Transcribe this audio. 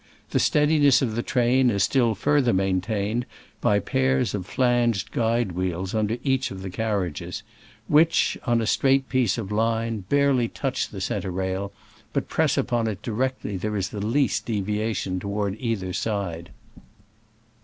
The steadiness of the train is still further maintained by pairs of flanged guide wheels under each of the carriages, which, on a straight piece of line, bare ly touch the centre rail, but press upon it directly there is the least deviation toward either side.